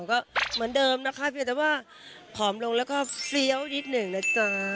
ก็เหมือนเดิมนะคะเพียงแต่ว่าผอมลงแล้วก็เฟี้ยวนิดหนึ่งนะจ๊ะ